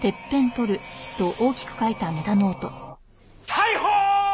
逮捕！